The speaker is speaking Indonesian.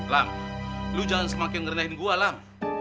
lam lo jangan semakin ngernahin gue lam